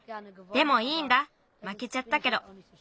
でもいいんだまけちゃったけど。